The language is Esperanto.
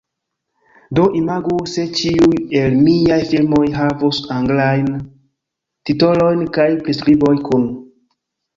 Do imagu se ĉiuj el miaj filmoj havus anglajn titolojn kaj priskriboj kun